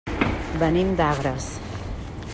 Venim d'Agres.